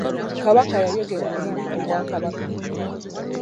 Kabaka yayogera eri obwakabaka.